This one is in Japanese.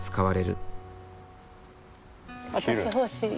私欲しい。